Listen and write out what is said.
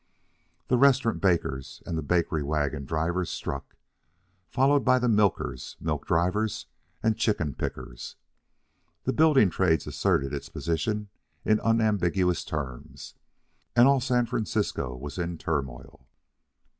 The restaurant bakers and the bakery wagon drivers struck, followed by the milkers, milk drivers, and chicken pickers. The building trades asserted its position in unambiguous terms, and all San Francisco was in turmoil.